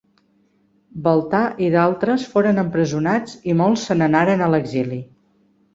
Baltà i d'altres foren empresonats i molts se n'anaren a l'exili.